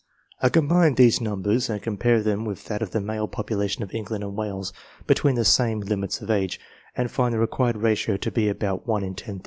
I combine these numbers, and compare them with that of the male population of England and Wales, between the same limits of age, and find the required ratio to be about one in 10,000.